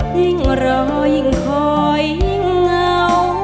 ยิ่งรอยิ่งคอยยิ่งเหงา